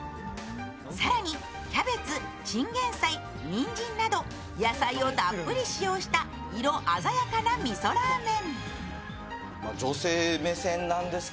更に、キャベツ、チンゲン菜にんじんなど野菜をたっぷり使用した色鮮やかなみそラーメン。